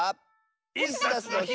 「イスダスのひ」